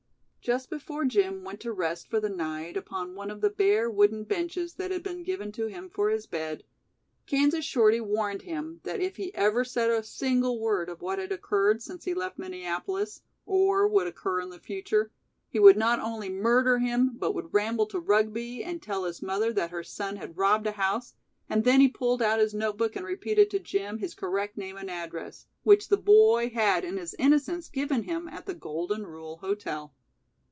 Just before Jim went to rest for the night upon one of the bare wooden benches that had been given to him for his bed, Kansas Shorty warned him that if he ever said a single word of what had occurred since he left Minneapolis, or would occur in the future, he would not only murder him but would ramble to Rugby and tell his mother that her son had robbed a house, and then he pulled out his notebook and repeated to Jim his correct name and address, which the boy had in his innocence given him at the Golden Rule Hotel.